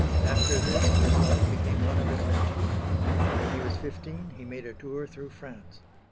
After this his life became one of adventure. When he was fifteen he made a tour through France.